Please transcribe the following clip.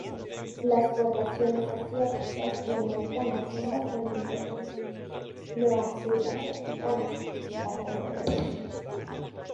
Las poblaciones asiáticas y americanas son bastante importantes, no así las africanas, bastante reducidas.